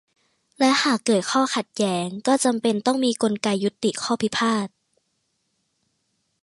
และหากเกิดข้อขัดแย้ง ก็จำเป็นต้องมีกลไกยุติข้อพิพาท